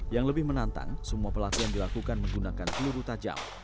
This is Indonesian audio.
yang lebih menantang semua pelatihan dilakukan menggunakan peluru tajam